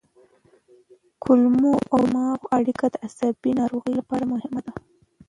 کولمو او دماغ اړیکه د عصبي ناروغیو لپاره مهمه ده.